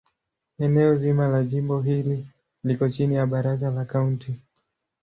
Eneo zima la jimbo hili liko chini ya Baraza la Kaunti.